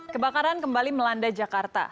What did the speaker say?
kebakaran kembali melanda jakarta